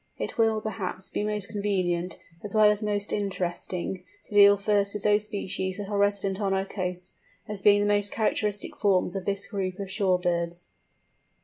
It will, perhaps, be most convenient, as well as most interesting, to deal first with those species that are resident on our coasts, as being the most characteristic forms of this group of shore birds.